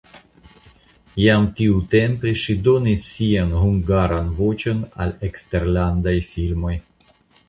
Jam tiutempe ŝi donis sian (hungaran) voĉon al eksterlandaj filmoj.